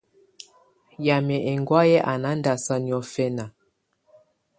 Yamɛ̀́á ɛŋgɔ̀áyɛ̀ à na ndàsaa niɔ̀fɛna.